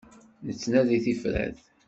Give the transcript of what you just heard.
Nettnadi tifrat.